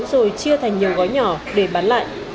rồi chia thành nhiều gói nhỏ để bán lại